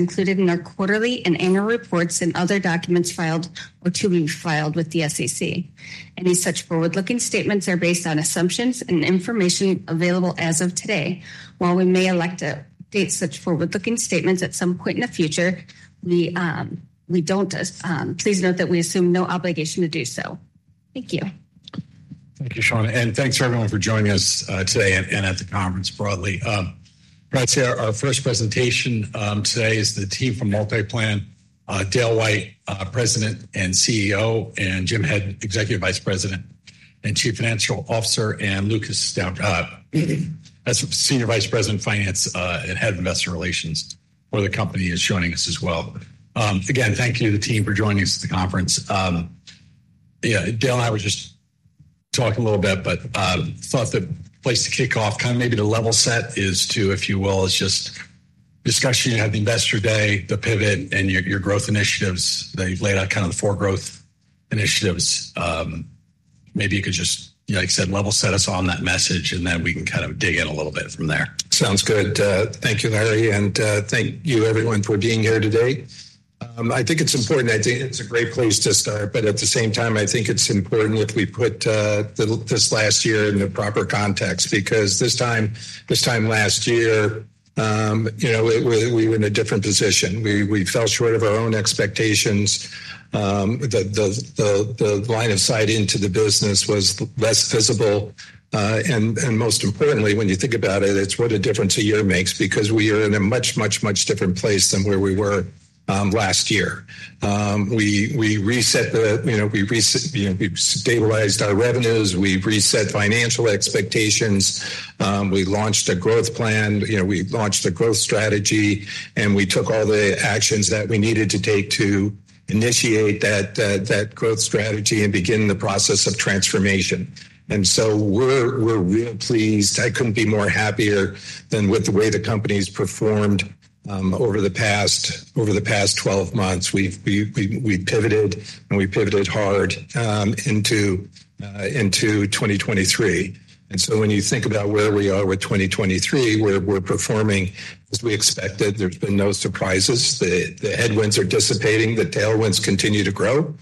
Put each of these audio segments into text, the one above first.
Included in our quarterly and annual reports and other documents filed or to be filed with the SEC. Any such forward-looking statements are based on assumptions and information available as of today. While we may elect to update such forward-looking statements at some point in the future, we don't, please note that we assume no obligation to do so. Thank you. Thank you, Shawna, and thanks, everyone, for joining us today and at the conference broadly. Right, so our first presentation today is the team from MultiPlan, Dale White, President and CEO, and Jim Head, Executive Vice President and Chief Financial Officer, and Lucas Stout, as Senior Vice President of Finance and Head of Investor Relations for the company, is joining us as well. Again, thank you to the team for joining us at the conference. Yeah, Dale and I were just talking a little bit, but thought the place to kick off, kinda maybe to level set is to, if you will, just discuss, you had the Investor Day, the pivot, and your growth initiatives that you've laid out, kind of the four growth initiatives. Maybe you could just, like I said, level set us on that message, and then we can kind of dig in a little bit from there. Sounds good. Thank you, Larry, and thank you, everyone, for being here today. I think it's important, I think it's a great place to start, but at the same time, I think it's important that we put this last year in the proper context, because this time, this time last year, you know, we were in a different position. We fell short of our own expectations. The line of sight into the business was less visible. And most importantly, when you think about it, it's what a difference a year makes, because we are in a much, much, much different place than where we were last year. We reset the, you know, we re... We stabilized our revenues, we've reset financial expectations, we launched a growth plan, you know, we launched a growth strategy, and we took all the actions that we needed to take to initiate that growth strategy and begin the process of transformation. And so we're real pleased. I couldn't be more happier than with the way the company's performed over the past 12 months. We've pivoted, and we pivoted hard into 2023. And so when you think about where we are with 2023, we're performing as we expected. There's been no surprises. The headwinds are dissipating, the tailwinds continue to grow.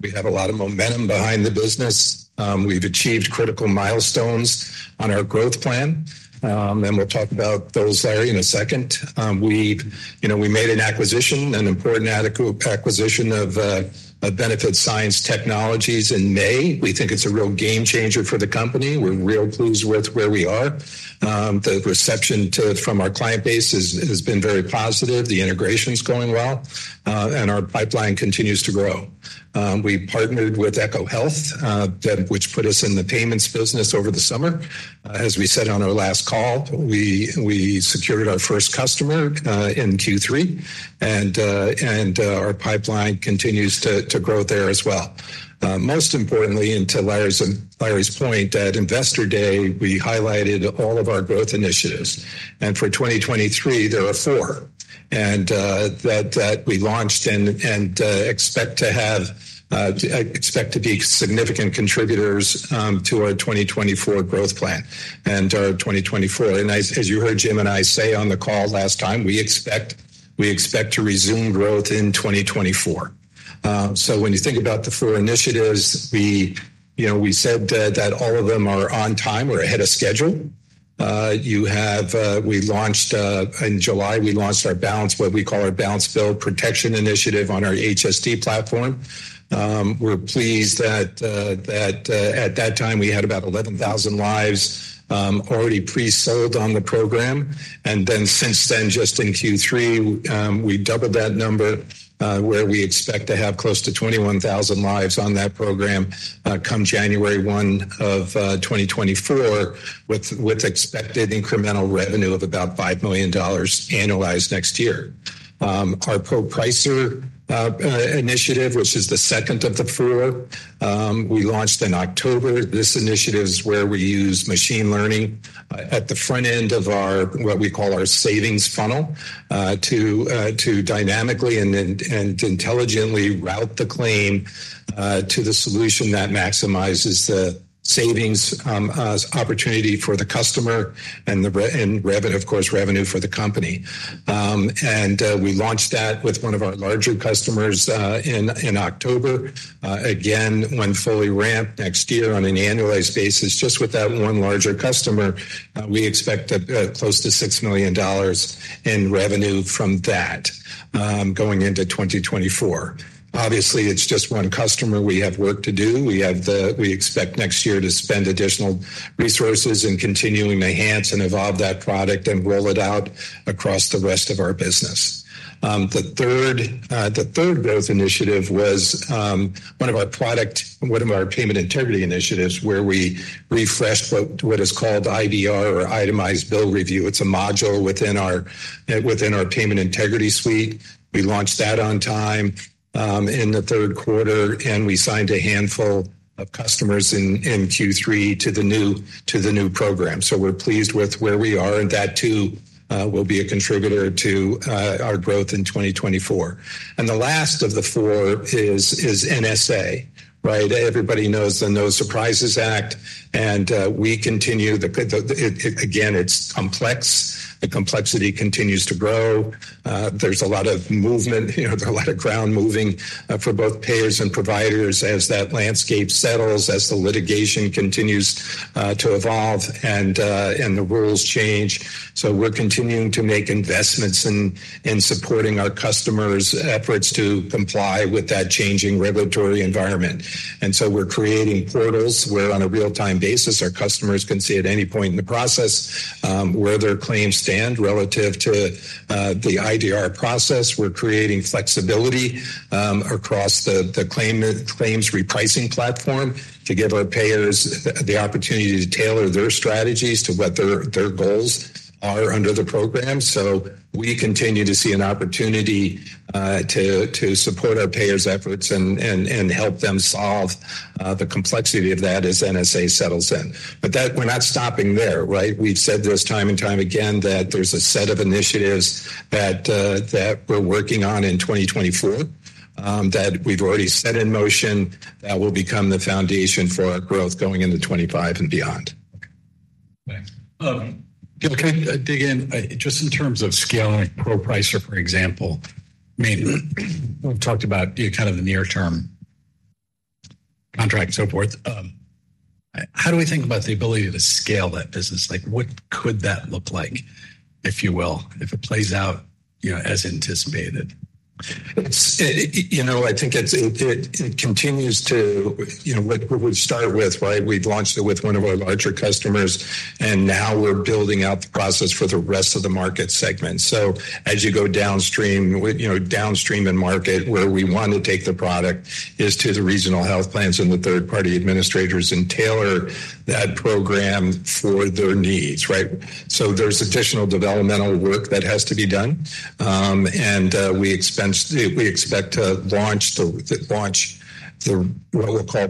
We have a lot of momentum behind the business. We've achieved critical milestones on our growth plan, and we'll talk about those, Larry, in a second. We've, you know, we made an acquisition, an important acquisition of Benefits Science Technologies in May. We think it's a real game changer for the company. We're real pleased with where we are. The reception from our client base has been very positive, the integration is going well, and our pipeline continues to grow. We partnered with ECHO Health, which put us in the payments business over the summer. As we said on our last call, we secured our first customer in Q3, and our pipeline continues to grow there as well. Most importantly, and to Larry's point, at Investor Day, we highlighted all of our growth initiatives. For 2023, there are four and that we launched and expect to have, expect to be significant contributors to our 2024 growth plan and our 2024. And as you heard Jim and I say on the call last time, we expect to resume growth in 2024. So when you think about the four initiatives, you know, we said that all of them are on time or ahead of schedule. You have we launched in July, we launched our Balance Bill Protection Initiative on our HST Platform. We're pleased that at that time we had about 11,000 lives already pre-sold on the program. Then since then, just in Q3, we doubled that number, where we expect to have close to 21,000 lives on that program, come January 1, 2024, with expected incremental revenue of about $5 million annualized next year. Our ProPricer initiative, which is the second of the four, we launched in October. This initiative is where we use machine learning at the front end of our, what we call our savings funnel, to dynamically and intelligently route the claim to the solution that maximizes the savings opportunity for the customer and, of course, revenue for the company. And we launched that with one of our larger customers, in October. Again, when fully ramped next year on an annualized basis, just with that one larger customer, we expect close to $6 million in revenue from that, going into 2024. Obviously, it's just one customer. We have work to do. We expect next year to spend additional resources in continuing to enhance and evolve that product and roll it out across the rest of our business. The third growth initiative was one of our product, one of our payment integrity initiatives, where we refreshed what is called IBR or Itemized Bill Review. It's a module within our payment integrity suite. We launched that on time in the third quarter, and we signed a handful of customers in Q3 to the new program. So we're pleased with where we are, and that, too, will be a contributor to our growth in 2024. And the last of the four is NSA, right? Everybody knows the No Surprises Act, and we continue, again, it's complex. The complexity continues to grow. There's a lot of movement, you know, there's a lot of ground moving for both payers and providers as that landscape settles, as the litigation continues to evolve and the rules change. So we're continuing to make investments in supporting our customers' efforts to comply with that changing regulatory environment. And so we're creating portals where on a real-time basis, our customers can see at any point in the process where their claims stand relative to the IDR process. We're creating flexibility across the claims repricing platform to give our payers the opportunity to tailor their strategies to what their goals are under the program. So we continue to see an opportunity to support our payers' efforts and help them solve the complexity of that as NSA settles in. But that, we're not stopping there, right? We've said this time and time again, that there's a set of initiatives that we're working on in 2024 that we've already set in motion, that will become the foundation for our growth going into 2025 and beyond. Thanks. Dale, can I dig in, just in terms of scaling ProPricer, for example, maybe? We've talked about the kind of the near-term contract and so forth. How do we think about the ability to scale that business? Like, what could that look like, if you will, if it plays out, you know, as anticipated? You know, I think it continues to, you know, what we've started with, right? We've launched it with one of our larger customers, and now we're building out the process for the rest of the market segment. So as you go downstream, you know, downstream in market, where we want to take the product is to the regional health plans and the third-party administrators and tailor that program for their needs, right? So there's additional developmental work that has to be done. And we expect to launch what we'll call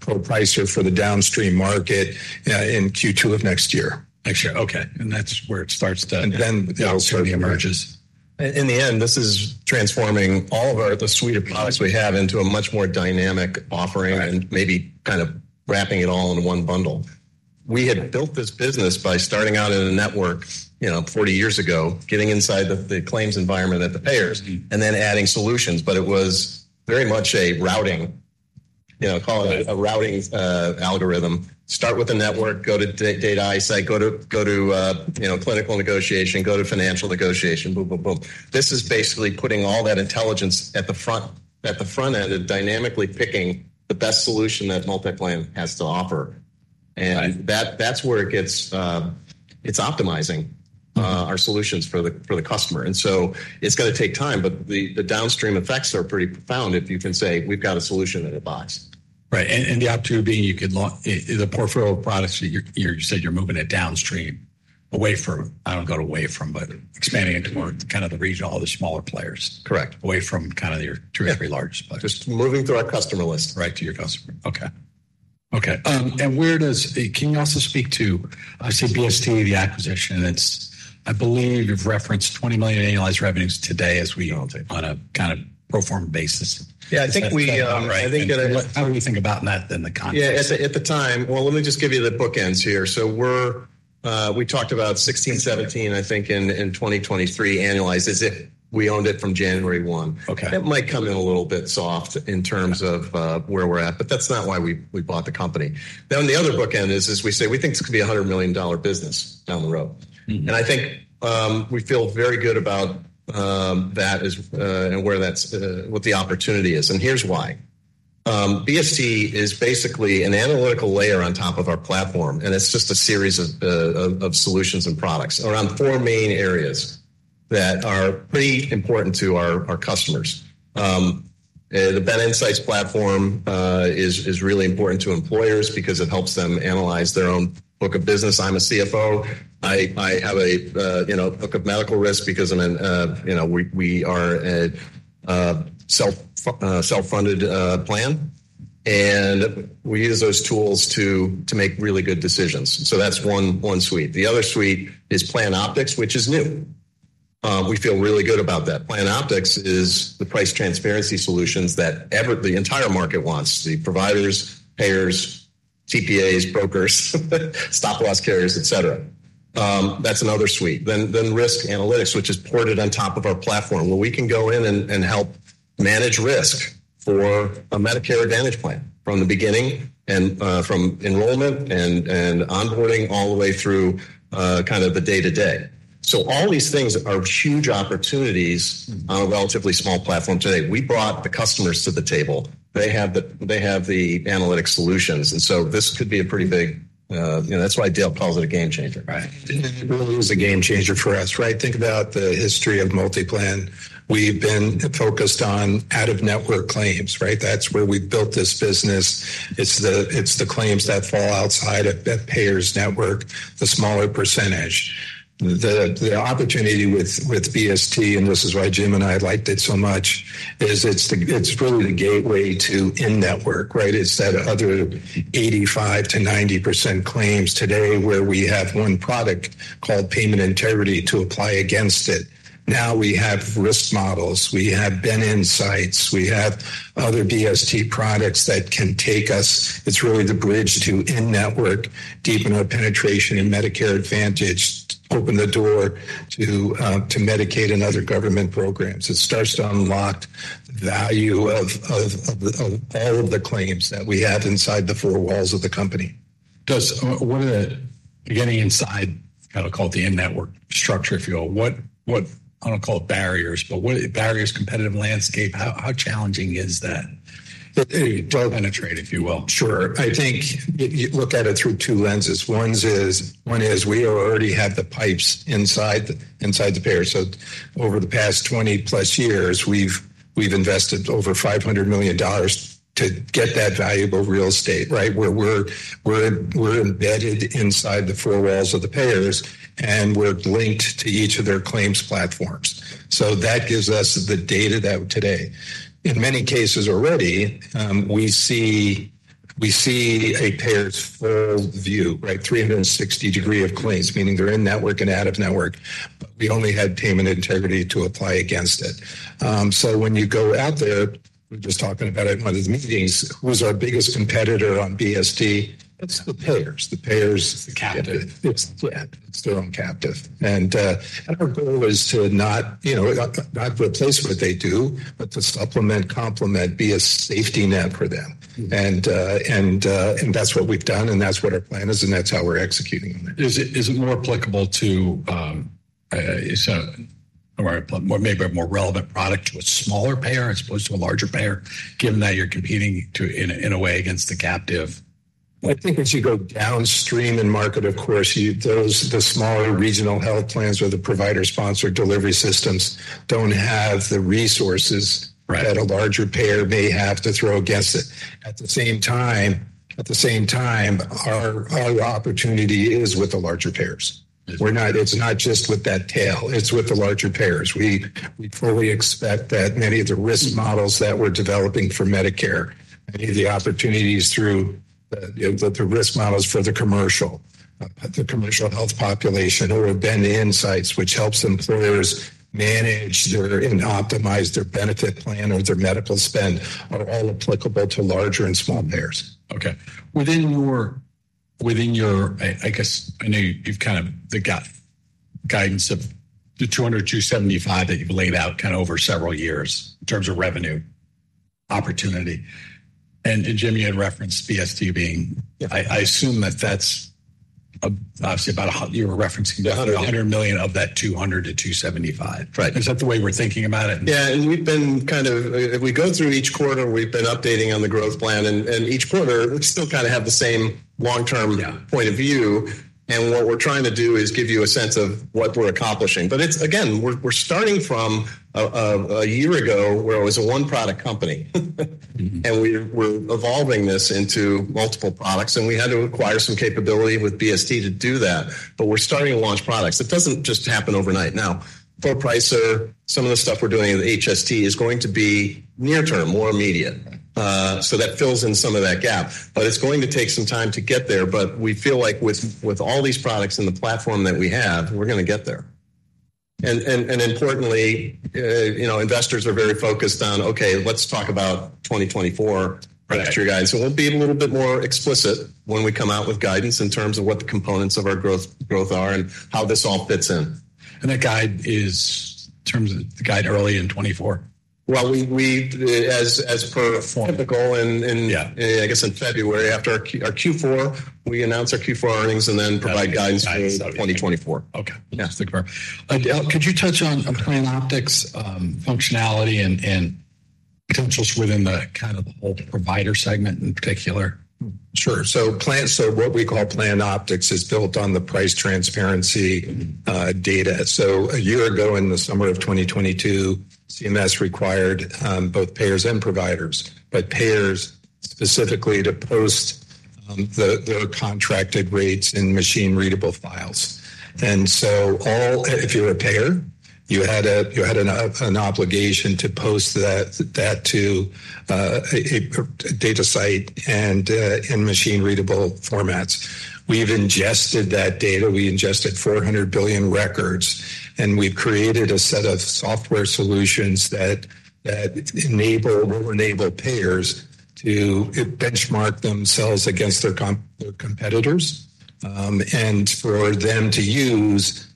ProPricer for the downstream market in Q2 of next year. Next year, okay, and that's where it starts to- And then it emerges. In the end, this is transforming all of our, the suite of products we have into a much more dynamic offering- Right. And maybe kind of wrapping it all in one bundle. We had built this business by starting out in a network, you know, 40 years ago, getting inside the claims environment at the payers, and then adding solutions, but it was very much a routing, you know, call it- Right... a routing algorithm. Start with a network, go to data insight, go to, go to, you know, clinical negotiation, go to financial negotiation, boom, boom, boom. This is basically putting all that intelligence at the front, at the front end and dynamically picking the best solution that MultiPlan has to offer. Right. And that, that's where it gets, it's optimizing- Mm-hmm. Our solutions for the customer. And so it's gonna take time, but the downstream effects are pretty profound if you can say, "We've got a solution in a box. Right. And the opportunity being you could launch the portfolio of products, you said you're moving it downstream away from... I don't go away from, but expanding into more kind of the regional, all the smaller players. Correct. Away from kind of your two or three large players. Just moving through our customer list. Right, to your customer. Okay. Okay, and where does... Can you also speak to, I see BST, the acquisition, it's, I believe you've referenced $20 million annualized revenues today as we- We owned it. on a kind of pro forma basis. Yeah, I think we... How do we think about that in the context? Yeah, at the time... Well, let me just give you the bookends here. So we talked about 16, 17, I think in 2023, annualized as if we owned it from January 1. Okay. It might come in a little bit soft in terms of where we're at, but that's not why we bought the company. Now, the other bookend is, as we say, we think this could be a $100 million business down the road. Mm-hmm. And I think, we feel very good about, that is, and where that's, what the opportunity is. And here's why. BST is basically an analytical layer on top of our platform, and it's just a series of, of solutions and products around four main areas that are pretty important to our, our customers. The BenInsights platform is really important to employers because it helps them analyze their own book of business. I'm a CFO. I, I have a, you know, book of medical risk because I'm an, you know, we, we are a, self, self-funded, plan, and we use those tools to, to make really good decisions. So that's one, one suite. The other suite is PlanOptix, which is new. We feel really good about that. PlanOptix is the price transparency solutions that the entire market wants, the providers, payers, TPAs, brokers, stop-loss carriers, et cetera. That's another suite. Then Risk Analytics, which is ported on top of our platform, where we can go in and help manage risk for a Medicare Advantage plan from the beginning and from enrollment and onboarding all the way through kind of the day-to-day. So all these things are huge opportunities- Mm-hmm. On a relatively small platform today. We brought the customers to the table. They have the, they have the analytic solutions, and so this could be a pretty big, you know, that's why Dale calls it a game changer. Right. It really is a game changer for us, right? Think about the history of MultiPlan. We've been focused on out-of-network claims, right? That's where we built this business. It's the claims that fall outside of that payer's network, the smaller percentage. The opportunity with BST, and this is why Jim and I liked it so much, is it's really the gateway to in-network, right? It's that other 85%-90% claims today where we have one product called Payment Integrity to apply against it. Now we have risk models, we have BenInsights, we have other BST products that can take us... It's really the bridge to in-network, deepen our penetration in Medicare Advantage, open the door to Medicaid and other government programs. It starts to unlock value of all of the claims that we have inside the four walls of the company. What are the getting inside, kind of, called the in-network structure, if you will? What I don't call it barriers, but what are the barriers, competitive landscape, how challenging is that to penetrate, if you will? Sure. I think if you look at it through two lenses, one is, one is we already have the pipes inside the, inside the payer. So over the past 20+ years, we've, we've invested over $500 million to get that valuable real estate, right? Where we're, we're, we're embedded inside the four walls of the payers, and we're linked to each of their claims platforms. So that gives us the data that today, in many cases already, we see, we see a payer's full view, right? 360-degree of claims, meaning they're in-network and out-of-network, but we only had payment integrity to apply against it. So when you go out there, we were just talking about it in one of the meetings, who's our biggest competitor on BST? It's the payers. The payers- The captive. It's, yeah, it's their own captive. And our goal is to not, you know, not replace what they do, but to supplement, complement, be a safety net for them. Mm-hmm. That's what we've done, and that's what our plan is, and that's how we're executing on it. Is it more applicable to, or maybe a more relevant product to a smaller payer as opposed to a larger payer, given that you're competing too in a way against the captive? I think as you go downstream in market, of course, you, those, the smaller regional health plans or the provider-sponsored delivery systems don't have the resources. Right... that a larger payer may have to throw against it. At the same time, our opportunity is with the larger payers. Mm-hmm. It's not just with that tail; it's with the larger payers. We fully expect that many of the risk models that we're developing for Medicare, many of the opportunities through the risk models for the commercial health population, our BenInsights which helps employers manage their and optimize their benefit plan or their medical spend, are all applicable to larger and small payers. Okay. Within your... I guess I know you've kind of got guidance of the 200-275 that you've laid out over several years in terms of revenue opportunity. And Jimmy had referenced BST being- Yeah. I assume that that's obviously about 100 you were referencing- A hundred. $100 million of that $200 million-$275 million. Right. Is that the way we're thinking about it? Yeah, and we've been kind of... If we go through each quarter, we've been updating on the growth plan, and each quarter, we still kinda have the same long-term- Yeah... point of view, and what we're trying to do is give you a sense of what we're accomplishing. But it's, again, we're starting from a year ago, where it was a one-product company. Mm-hmm. And we're evolving this into multiple products, and we had to acquire some capability with BST to do that. But we're starting to launch products. It doesn't just happen overnight. Now, for ProPricer, some of the stuff we're doing in the HST is going to be near term, more immediate. Right. So that fills in some of that gap, but it's going to take some time to get there. But we feel like with all these products and the platform that we have, we're gonna get there. And importantly, you know, investors are very focused on, okay, let's talk about 2024- Right... after you guide. So we'll be a little bit more explicit when we come out with guidance in terms of what the components of our growth are and how this all fits in. That guide is in terms of the guide early in 2024? Well, we, as per- Typical... Yeah... I guess in February, after our Q, our Q4, we announce our Q4 earnings and then provide guidance for 2024. Okay. Yeah, stick around. Could you touch on PlanOptix functionality and potentials within the kind of the whole provider segment in particular? Sure. So what we call PlanOptix is built on the price transparency data. So a year ago, in the summer of 2022, CMS required both payers and providers, but payers specifically, to post their contracted rates in machine-readable files. And so all, if you're a payer, you had an obligation to post that to a data site and in machine-readable formats. We've ingested that data. We ingested 400 billion records, and we've created a set of software solutions that enable payers to benchmark themselves against their competitors and for them to use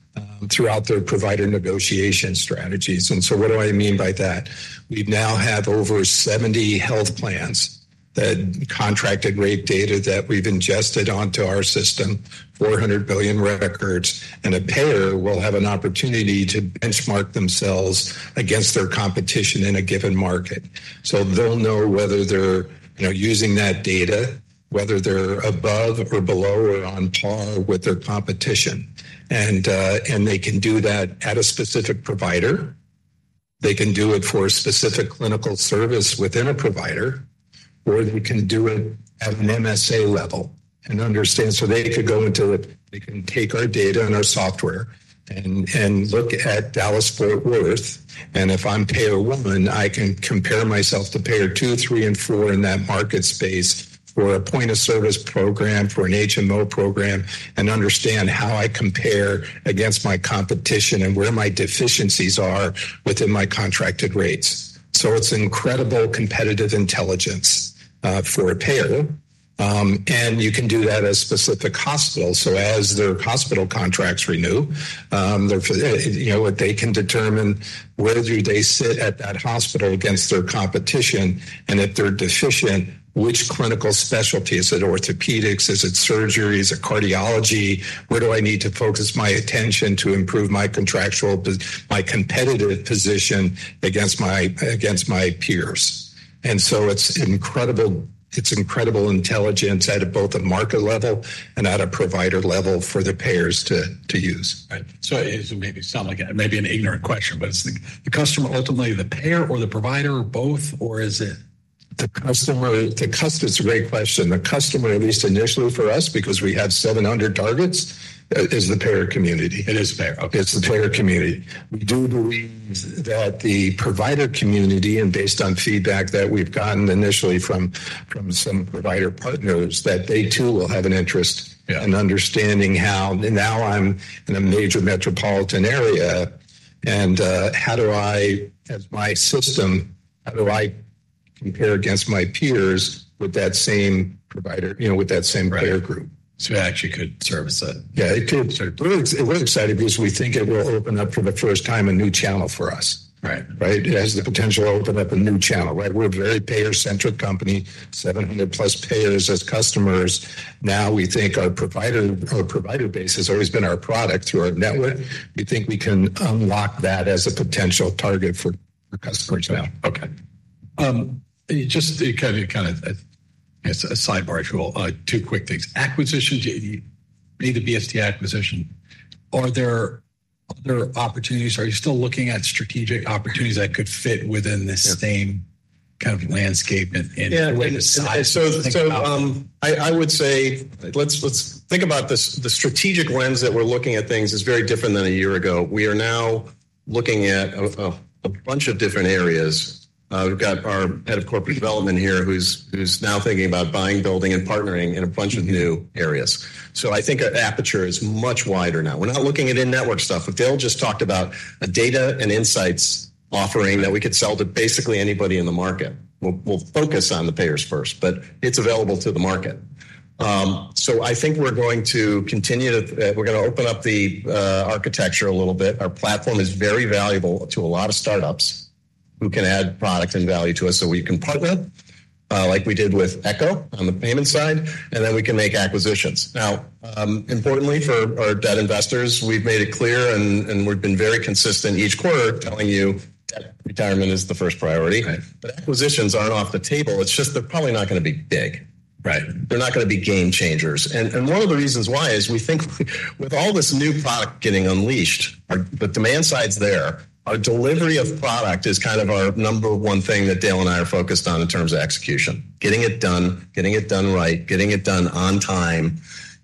throughout their provider negotiation strategies. And so what do I mean by that? We now have over 70 health plans that contracted rate data that we've ingested onto our system, 400 billion records, and a payer will have an opportunity to benchmark themselves against their competition in a given market. So they'll know whether they're, you know, using that data, whether they're above or below or on par with their competition. And, and they can do that at a specific provider, they can do it for a specific clinical service within a provider, or they can do it at an MSA level and understand. So they could go into it, they can take our data and our software and look at Dallas-Fort Worth, and if I'm payer one, I can compare myself to payer two, three, and four in that market space for a point of service program, for an HMO program, and understand how I compare against my competition and where my deficiencies are within my contracted rates. So it's incredible competitive intelligence for a payer. And you can do that at a specific hospital. So as their hospital contracts renew, their, you know what? They can determine where do they sit at that hospital against their competition, and if they're deficient, which clinical specialty, is it orthopedics? Is it surgery? Is it cardiology? Where do I need to focus my attention to improve my contractual position, my competitive position against my peers? And so it's incredible. It's incredible intelligence out of both a market level and at a provider level for the payers to use. Right. So it maybe sound like maybe an ignorant question, but it's the, the customer, ultimately the payer or the provider, or both, or is it? The customer, the customer, it's a great question. The customer, at least initially for us, because we have 700 targets, is the payer community. It is payer. Okay. It's the payer community. We do believe that the provider community, and based on feedback that we've gotten initially from some provider partners, that they too, will have an interest- Yeah... in understanding how, now I'm in a major metropolitan area, and, how do I, as my system, how do I compare against my peers with that same provider, you know, with that same payer group? So it actually could service it. Yeah, it could. We're excited because we think it will open up for the first time, a new channel for us. Right. Right? It has the potential to open up a new channel, right? We're a very payer-centric company, 700+ payers as customers. Now, we think our provider, our provider base has always been our product through our network. We think we can unlock that as a potential target for, for customers now. Okay. Just to kind of as a sidebar tool, two quick things. Acquisitions, the BST acquisition. Are there other opportunities? Are you still looking at strategic opportunities that could fit within this same- Yeah... kind of landscape and Yeah. So think about it. So, I would say, let's think about this. The strategic lens that we're looking at things is very different than a year ago. We are now looking at a bunch of different areas. We've got our head of corporate development here, who's now thinking about buying, building, and partnering in a bunch of new areas. So I think our aperture is much wider now. We're not looking at in-network stuff. But Dale just talked about a data and insights offering that we could sell to basically anybody in the market. We'll focus on the payers first, but it's available to the market. So I think we're going to continue to we're gonna open up the architecture a little bit. Our platform is very valuable to a lot of startups who can add products and value to us, so we can partner, like we did with ECHO on the payment side, and then we can make acquisitions. Now, importantly, for our debt investors, we've made it clear, and, and we've been very consistent each quarter, telling you debt retirement is the first priority. Right. But acquisitions aren't off the table. It's just they're probably not gonna be big. Right. They're not gonna be game changers. And one of the reasons why is we think with all this new product getting unleashed, on the demand side's there. Our delivery of product is our number one thing that Dale and I are focused on in terms of execution. Getting it done, getting it done right, getting it done on time,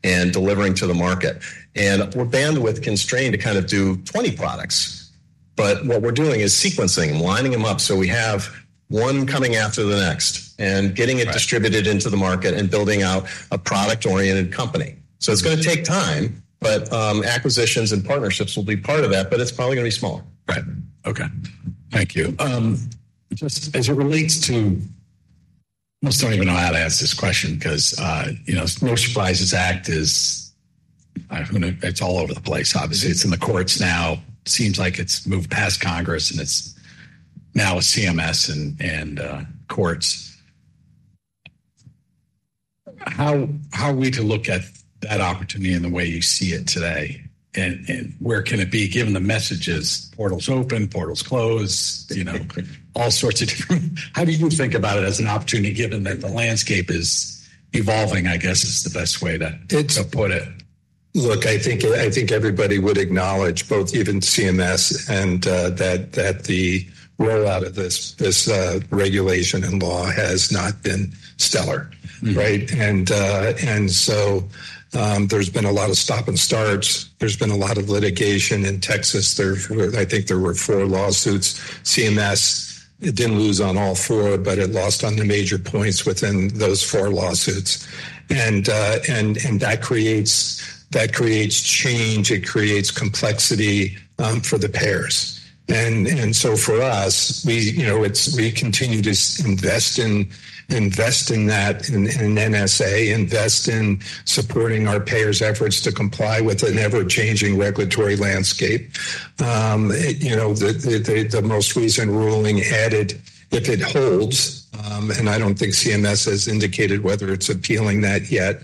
and delivering to the market. And we're bandwidth constrained to kind of do 20 products. But what we're doing is sequencing and lining them up, so we have one coming after the next and getting it- Right... distributed into the market and building out a product-oriented company. So it's gonna take time, but, acquisitions and partnerships will be part of that, but it's probably gonna be smaller. Right. Okay, thank you. Just as it relates to... Almost don't even know how to ask this question because, you know, No Surprises Act is, it's all over the place. Obviously, it's in the courts now. Seems like it's moved past Congress, and it's now a CMS and, and, courts. How are we to look at that opportunity and the way you see it today, and where can it be, given the messages, portals open, portals closed, you know, all sorts of different how do you think about it as an opportunity, given that the landscape is evolving, I guess is the best way to- It's-... to put it? Look, I think everybody would acknowledge, both even CMS and that the rollout of this regulation and law has not been stellar. Mm-hmm. Right? And so there's been a lot of stop and starts. There's been a lot of litigation in Texas. There, I think there were four lawsuits. CMS, it didn't lose on all four, but it lost on the major points within those four lawsuits. And that creates change, it creates complexity for the payers. And so for us, we, you know, it's we continue to invest in that, in NSA, invest in supporting our payers' efforts to comply with an ever-changing regulatory landscape. You know, the most recent ruling added, if it holds, and I don't think CMS has indicated whether it's appealing that yet,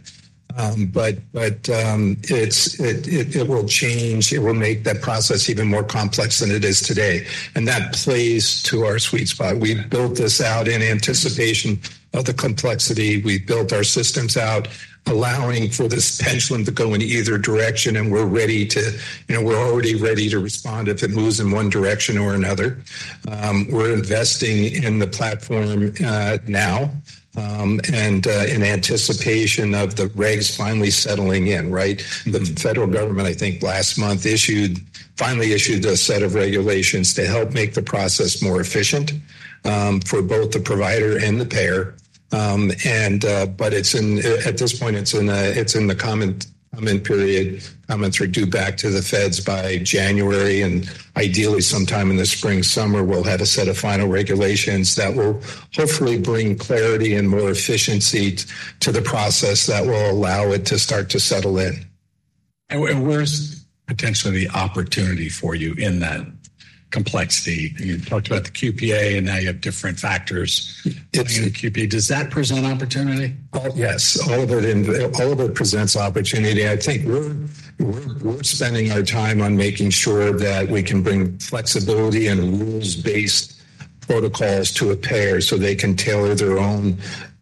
but it will change. It will make that process even more complex than it is today, and that plays to our sweet spot. Right. We built this out in anticipation of the complexity. We built our systems out, allowing for this pendulum to go in either direction, and we're ready to, you know, we're already ready to respond if it moves in one direction or another. We're investing in the platform now, and in anticipation of the regs finally settling in, right? Mm-hmm. The federal government, I think last month, finally issued a set of regulations to help make the process more efficient for both the provider and the payer. But at this point, it's in the comment period. Comments are due back to the feds by January, and ideally, sometime in the spring/summer, we'll have a set of final regulations that will hopefully bring clarity and more efficiency to the process that will allow it to start to settle in. And where's potentially the opportunity for you in that complexity? You talked about the QPA, and now you have different factors- It's- In the QPA, does that present opportunity? Oh, yes, all of it in, all of it presents opportunity. I think we're spending our time on making sure that we can bring flexibility and rules-based protocols to a payer, so they can tailor their own,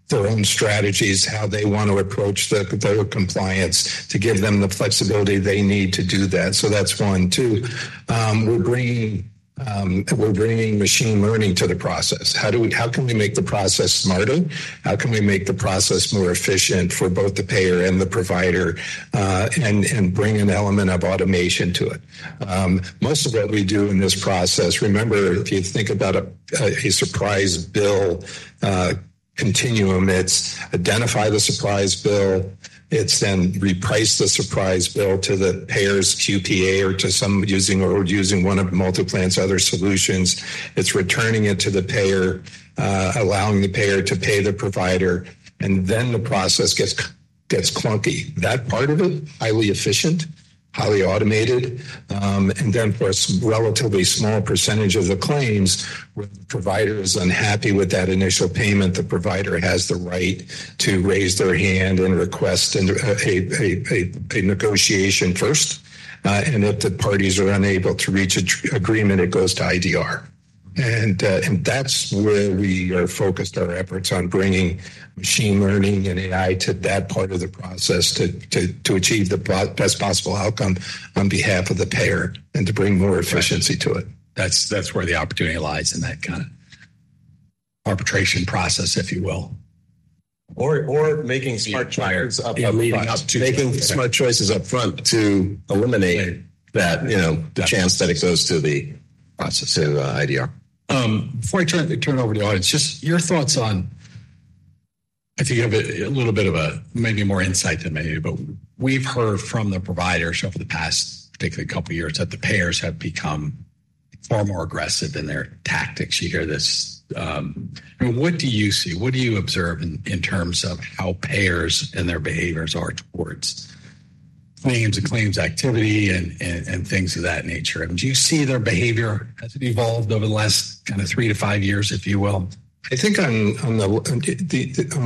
their own strategies, how they want to approach the, their compliance, to give them the flexibility they need to do that. So that's one. Two, we're bringing machine learning to the process. How can we make the process smarter? How can we make the process more efficient for both the payer and the provider, and bring an element of automation to it? Most of what we do in this process, remember, if you think about a surprise bill continuum, it's identify the surprise bill, it's then reprice the surprise bill to the payer's QPA or using one of MultiPlan's other solutions. It's returning it to the payer, allowing the payer to pay the provider, and then the process gets clunky. That part of it, highly efficient, highly automated, and then for a relatively small percentage of the claims, when the provider is unhappy with that initial payment, the provider has the right to raise their hand and request a negotiation first, and if the parties are unable to reach an agreement, it goes to IDR. That's where we are focused our efforts on bringing machine learning and AI to that part of the process to achieve the best possible outcome on behalf of the payer and to bring more efficiency to it. That's, that's where the opportunity lies in that kind of arbitration process, if you will. Or making smart choices up front. Yeah, making smart choices up front to eliminate- Right... that, you know, the chance that it goes to the process, to IDR. Before I turn it over to the audience, just your thoughts on, I think you have a bit, a little bit of a maybe more insight than me, but we've heard from the providers over the past particularly couple of years, that the payers have become far more aggressive in their tactics. You hear this, what do you see? What do you observe in terms of how payers and their behaviors are towards claims and claims activity and things of that nature? And do you see their behavior as it evolved over the last kind of 3-5 years, if you will? I think on the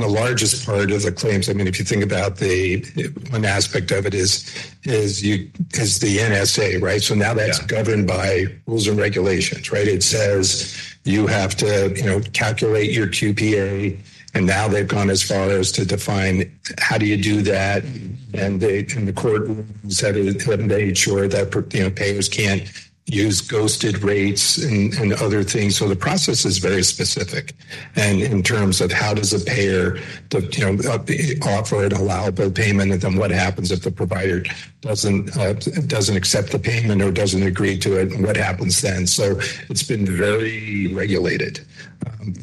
largest part of the claims, I mean, if you think about the one aspect of it is the NSA, right? Yeah. So now that's governed by rules and regulations, right? It says, you have to, you know, calculate your QPA, and now they've gone as far as to define, how do you do that? And they, and the court said it, and they ensure that, you know, payers can't use ghosted rates and, and other things. So the process is very specific. And in terms of how does a payer, you know, offer and allow the payment, and then what happens if the provider doesn't accept the payment or doesn't agree to it? What happens then? So it's been very regulated,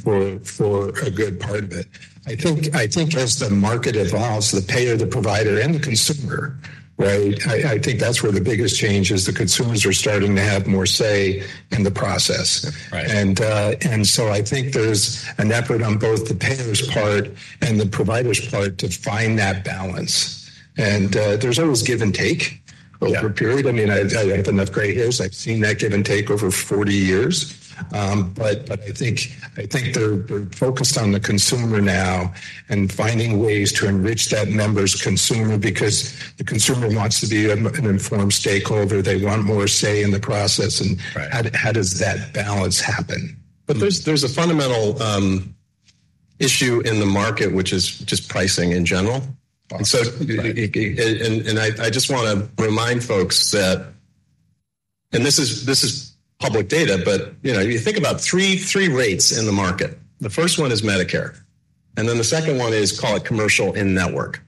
for a good part of it. I think, I think as the market evolves, the payer, the provider, and the consumer, right? I, I think that's where the biggest change is. The consumers are starting to have more say in the process. Right. And so I think there's an effort on both the payer's part and the provider's part to find that balance. And there's always give and take- Yeah... over a period. I mean, I have enough gray hairs. I've seen that give and take over 40 years. But I think they're focused on the consumer now and finding ways to enrich that member's consumer because the consumer wants to be an informed stakeholder. They want more say in the process and- Right... how does that balance happen? But there's a fundamental issue in the market, which is just pricing in general. Right. I just want to remind folks that this is public data, but you know, you think about three rates in the market. The first one is Medicare, and then the second one is called commercial in-network,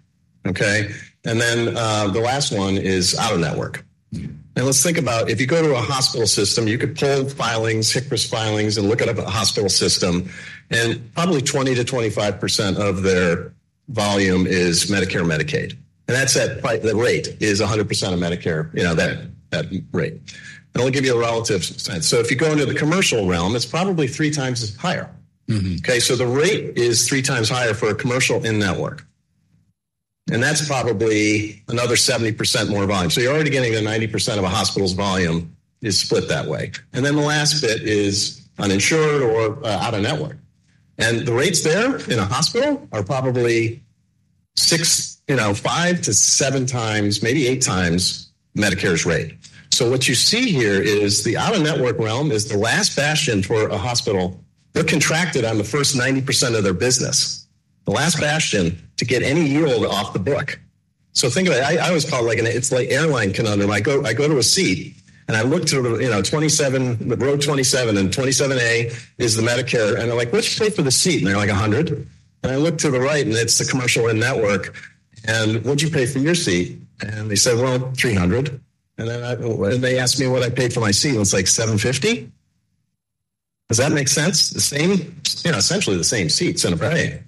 okay? And then, the last one is out-of-network. Mm-hmm. Let's think about if you go to a hospital system, you could pull filings, HCRA filings, and look at a hospital system, and probably 20%-25% of their volume is Medicare or Medicaid, and that's at the rate is 100% of Medicare, you know, that- Right... that rate. It'll give you a relative sense. So if you go into the commercial realm, it's probably three times as higher. Mm-hmm. Okay? So the rate is 3 times higher for a commercial in-network, and that's probably another 70% more volume. So you're already getting to 90% of a hospital's volume is split that way. And then the last bit is uninsured or out-of-network. And the rates there in a hospital are probably 6, you know, 5-7 times, maybe 8 times Medicare's rate. So what you see here is the out-of-network realm is the last bastion for a hospital. They're contracted on the first 90% of their business, the last bastion to get any yield off the book. So think about it. I, I was probably like, it's like airline conundrum. I go to a seat, and I look to the, you know, 27, row 27, and 27A is the Medicare, and they're like: "What'd you pay for the seat?" And they're like, "$100." And I look to the right, and it's the commercial in-network. "And what'd you pay for your seat?" And they say, "Well, $300." And then they ask me what I paid for my seat, and it's like $750. Does that make sense? The same, you know, essentially the same seat, center frame.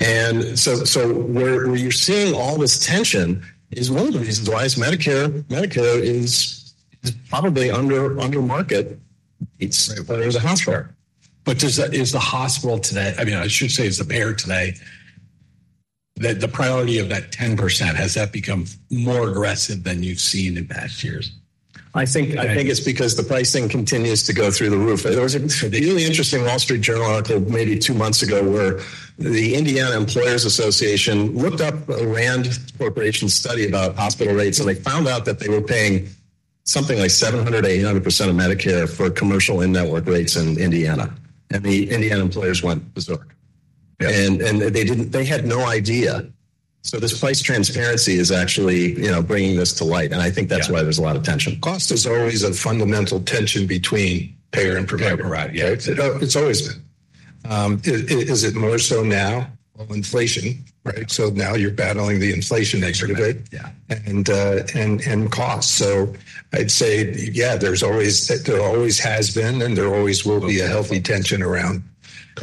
And so where you're seeing all this tension is one of the reasons why is Medicare. Medicare is probably under market. It's- Right, there's a hospital. But is the hospital today, I mean, I should say, is the payer today, that the priority of that 10%, has that become more aggressive than you've seen in past years? I think, I think it's because the pricing continues to go through the roof. There was a really interesting Wall Street Journal article maybe two months ago, where the Indiana Employers Association looked up a RAND Corporation study about hospital rates, and they found out that they were paying something like 700%-800% of Medicare for commercial in-network rates in Indiana. And the Indiana employers went berserk. Yeah. They didn't. They had no idea. So this price transparency is actually, you know, bringing this to light, and I think that's- Yeah why there's a lot of tension. Cost is always a fundamental tension between payer and provider. Right. Yeah. It's always been. Is it more so now of inflation, right? So now you're battling the inflation extra bit- Yeah... and costs. So I'd say, yeah, there's always, there always has been, and there always will be a healthy tension around.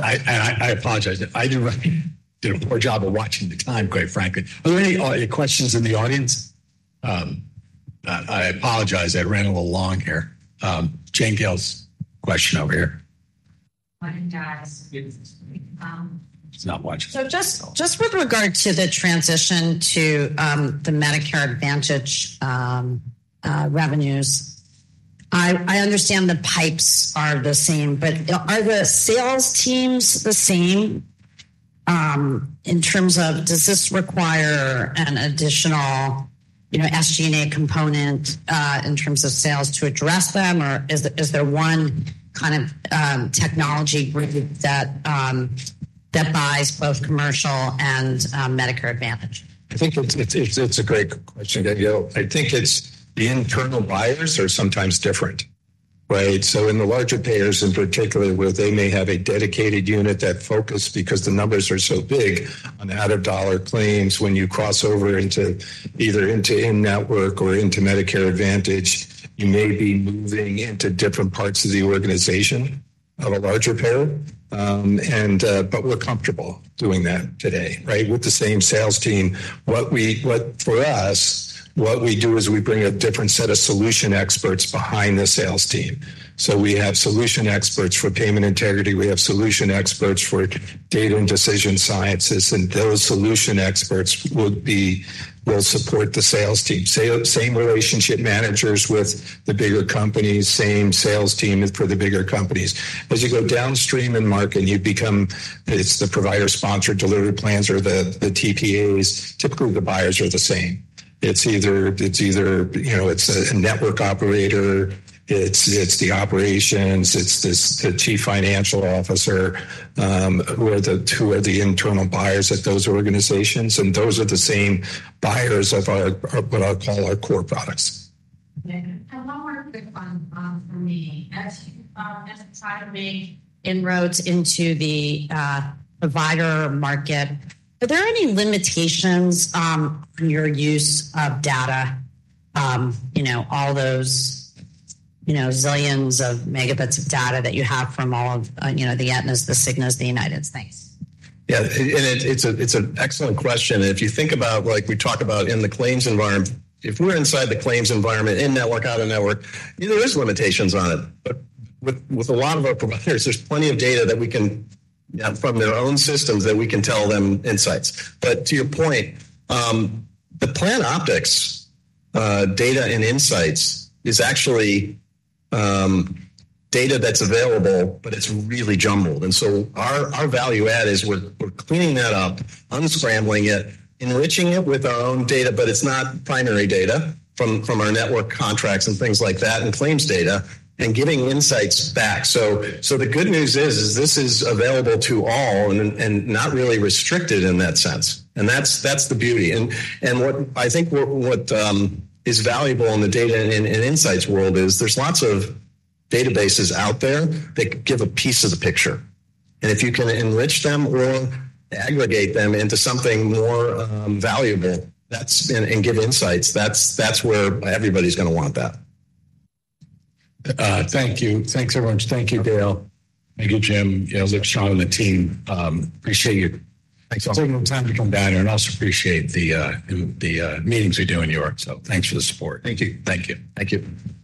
I apologize. I did a poor job of watching the time, quite frankly. Are there any questions in the audience? I apologize. I ran a little long here. Jane Gale's question over here. She's not watching. So with regard to the transition to the Medicare Advantage revenues, I understand the pipes are the same, but are the sales teams the same, in terms of does this require an additional, you know, SG&A component, in terms of sales to address them, or is there one kind of technology group that buys both commercial and Medicare Advantage? I think it's a great question, Gale. I think it's the internal buyers are sometimes different, right? So in the larger payers, in particular, where they may have a dedicated unit, that focus because the numbers are so big on out-of-dollar claims, when you cross over into in-network or into Medicare Advantage, you may be moving into different parts of the organization of a larger payer. But we're comfortable doing that today, right, with the same sales team. What we do is we bring a different set of solution experts behind the sales team. So we have solution experts for payment integrity, we have solution experts for data and decision sciences, and those solution experts will support the sales team. Same relationship managers with the bigger companies, same sales team as for the bigger companies. As you go downstream in market, it becomes the provider-sponsored delivery plans or the TPAs. Typically, the buyers are the same. It's either, it's either, you know, it's a network operator, it's the operations, it's the Chief Financial Officer, who are the two of the internal buyers at those organizations, and those are the same buyers of our, what I'll call our core products. One more quick one, for me. As you try to make inroads into the provider market, are there any limitations on your use of data, you know, all those, you know, zillions of megabits of data that you have from all of, you know, the Aetnas, the Cignas, the Uniteds? Yeah, it's an excellent question. If you think about, like we talk about in the claims environment, if we're inside the claims environment, in-network, out-of-network, there is limitations on it. But with a lot of our providers, there's plenty of data that we can from their own systems that we can tell them insights. But to your point, the PlanOptix data and insights is actually data that's available, but it's really jumbled. So our value add is we're cleaning that up, unscrambling it, enriching it with our own data, but it's not primary data from our network contracts and things like that, and claims data, and giving insights back. So the good news is this is available to all and not really restricted in that sense. And that's the beauty. And what I think is valuable in the data and in insights world is there's lots of databases out there that give a piece of the picture. And if you can enrich them or aggregate them into something more valuable, that's and give insights, that's where everybody's gonna want that. Thank you. Thanks, everyone. Thank you, Gale. Thank you, Jim. You know, Luke, Shawna, and the team, appreciate you- Thanks. Taking the time to come down here, and I also appreciate the meetings we do in New York. So thanks for the support. Thank you. Thank you. Thank you.